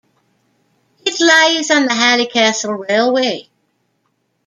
It lies on the Halle-Kassel railway.